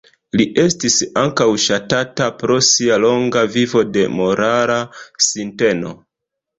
Li estis ankaŭ ŝatata pro sia longa vivo de morala sinteno.